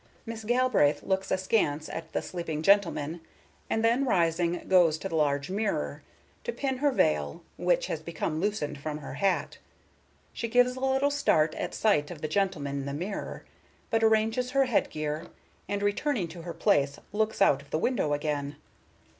Miss Galbraith looks askance at the sleeping gentleman, and then, rising, goes to the large mirror, to pin her veil, which has become loosened from her hat. She gives a little start at sight of the gentleman in the mirror, but arranges her head gear, and returning to her place looks out of the window again.